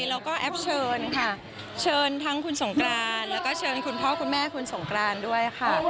แล้วก็แอปเชิญค่ะเชิญทั้งคุณสงกรานแล้วก็เชิญคุณพ่อคุณแม่คุณสงกรานด้วยค่ะ